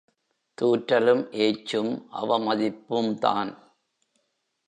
தூற்றலும் ஏச்சும் அவமதிப்பும்தான்.